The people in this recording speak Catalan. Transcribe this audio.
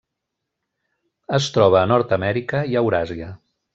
Es troba a Nord-amèrica i Euràsia.